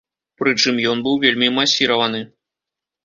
Прычым ён быў вельмі масіраваны.